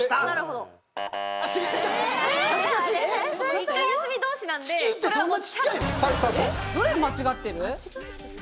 どれ間違ってる？